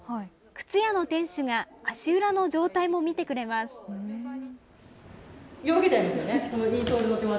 靴屋の店主が足裏の状態も見てくれます。